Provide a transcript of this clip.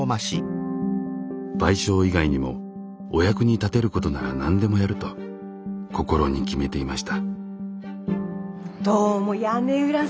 賠償以外にもお役に立てることなら何でもやると心に決めていました。